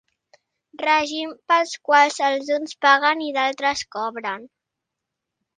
Règims pels quals els uns paguen i d'altres cobren.